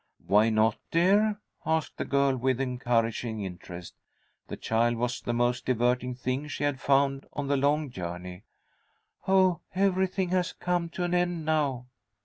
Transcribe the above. "Why not, dear?" asked the girl, with encouraging interest. This child was the most diverting thing she had found on the long journey. "Oh, everything has come to an end now.